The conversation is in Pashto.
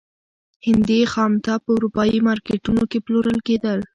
هندي خامتا په اروپايي مارکېټونو کې پلورل کېدل.